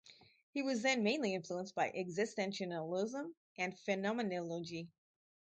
He was then mainly influenced by existentialism and phenomenology.